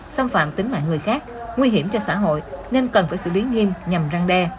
xâm phạm tính mạng người khác nguy hiểm cho xã hội nên cần phải xử lý nghiêm nhằm răng đe